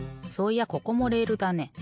そういやここもレールだね。